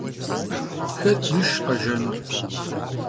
Xet yişş khejjenur?